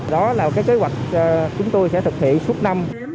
đó là kế hoạch chúng tôi sẽ thực hiện suốt năm